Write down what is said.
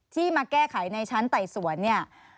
ที่มาแก้ไขในชั้นไต่สวรรษ